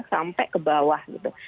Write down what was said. sampai ke bawah gitu